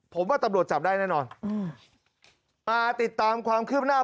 ผมว่าตำรวจจับได้แน่นอนอืมอ่าติดตามความคืบหน้า